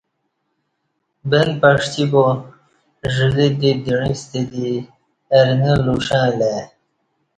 بن پݜی با ژلہ دی دعیں ستہ دی ارݣہ لوݜہ الہ ای